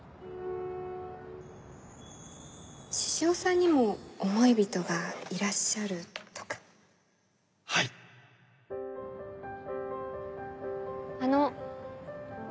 獅子王さんにも思い人がいらっしゃるとかはいあの。